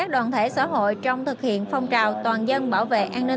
để người dân dự án rất là bận